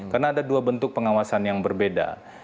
karena ada dua bentuk pengawasan yang berbeda